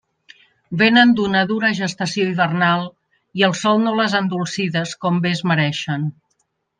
Vénen d'una dura gestació hivernal i el sol no les ha endolcides com bé es mereixen.